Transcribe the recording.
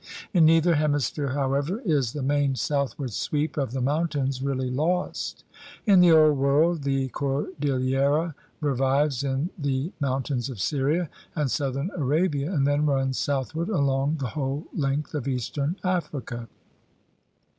In neither hemisphere, however, is the main southward sweep of the mountains really lost. In the Old World the cordillera revives in the mountains of Syria and southern Arabia and then runs southward along the whole length of eastern Africa.